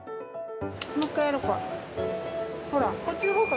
もう１回やろうか。